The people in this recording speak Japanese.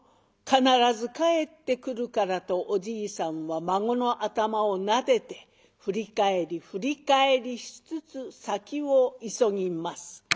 必ず帰ってくるから」とおじいさんは孫の頭をなでて振り返り振り返りしつつ先を急ぎます。